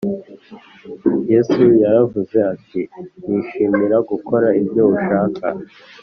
yesu Yaravuze ati, “Nishimira gukora ibyo ushaka,